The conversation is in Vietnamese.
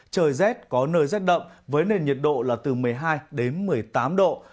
trời rét có nơi rét đậm với nền nhiệt độ là từ một mươi hai đến một mươi tám độ